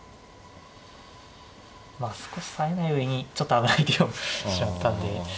まあ少しさえない上にちょっと危ない手を指しちゃったんで。